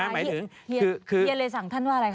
เฮียเลยสั่งท่านว่าอะไรค